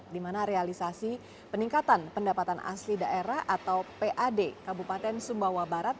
di mana realisasi peningkatan pendapatan asli daerah atau pad kabupaten sumbawa barat